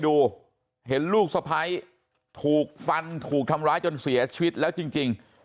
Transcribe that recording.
ดูเห็นลูกสะพ้ายถูกฟันถูกทำร้ายจนเสียชีวิตแล้วจริง